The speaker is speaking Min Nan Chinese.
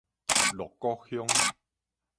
鹿谷鄉